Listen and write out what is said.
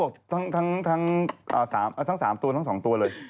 เลขคุณภูมิภวงเค้าบอกทั้ง๓ตัวทั้ง๒ตัวเลย